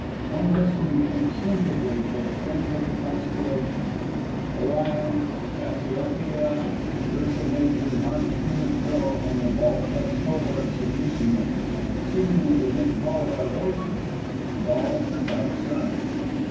One listened instinctively for the tramp of the constellations. Orion, Cassiopeia and Ursa Major marched to and fro on the vault like cohorts of legionaries, seemingly within call of our voices, and all without a sound.